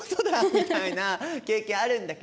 みたいな経験あるんだけど